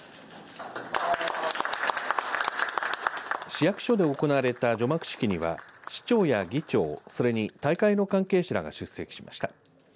市役所で行われた除幕式には市長や議長それに大会の関係者らが出席しました。